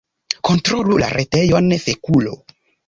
"Kontrolu la retejon, fekulo"